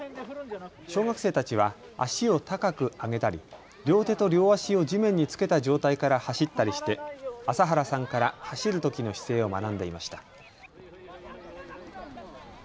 小学生たちは足を高く上げたり両手と両足を地面につけた状態から走ったりして朝原さんから走るときの姿勢を学んでいました。